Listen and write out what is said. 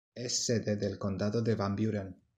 Es sede del condado de Van Buren.